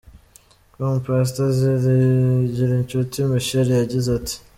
com Pastor Zigirinshuti Michel yagize ati:.